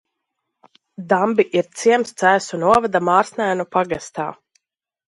Dambi ir ciems Cēsu novada Mārsnēnu pagastā.